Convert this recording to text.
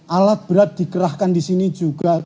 alat berat dikerahkan disini juga